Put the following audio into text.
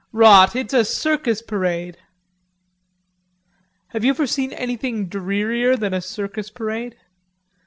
"Rot...It's a circus parade." "Have you ever seen anything drearier than a circus parade?